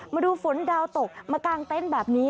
มาดูฝนดาวตกมากางเต็นต์แบบนี้